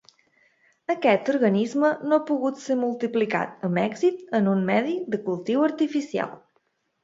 Aquest organisme no ha pogut ser multiplicat amb èxit en un medi de cultiu artificial.